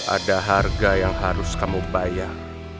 ada harga yang harus kamu bayar